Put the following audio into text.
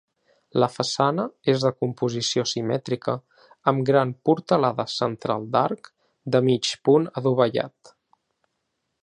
La façana és de composició simètrica amb gran portalada central d'arc de mig punt adovellat.